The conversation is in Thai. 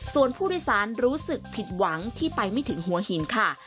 ส่วนผู้โดยสารรู้สึกผิดหวังที่ไปไม่ถึงหัวหินค่ะ